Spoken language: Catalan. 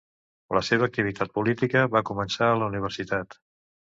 La seva activitat política va començar a la universitat.